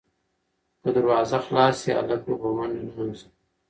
که دروازه خلاصه شي، هلک به په منډه ننوځي.